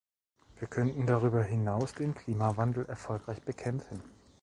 Wir könnten darüber hinaus den Klimawandel erfolgreich bekämpfen.